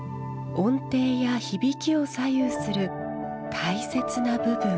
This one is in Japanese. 音程や響きを左右する大切な部分。